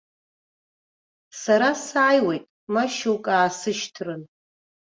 Сара сааиуеит ма шьоук аасышьҭрын.